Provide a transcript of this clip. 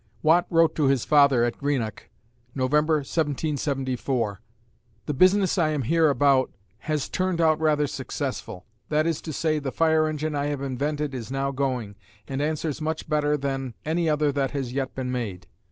Watt wrote to his father at Greenock, November, 1774: "The business I am here about has turned out rather successful; that is to say, the fire engine I have invented is now going, and answers much better than any other that has yet been made."